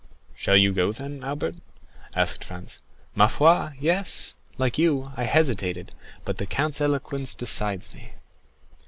'" "Shall you go, then, Albert?" asked Franz. "Ma foi, yes; like you, I hesitated, but the count's eloquence decides me."